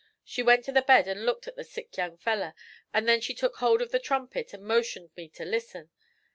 She went to the bed an' looked at the sick young feller, an' then she took hold of the trumpet and motioned me to listen.